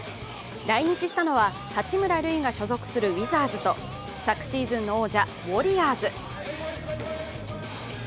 来日したのは八村塁が所属するウィザーズと昨シーズンの王者ウォリアーズ。